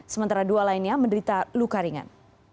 sementara dua lainnya menderita luka ringan